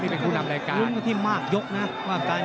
นี่เป็นคู่นำรายการ